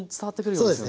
そうですね。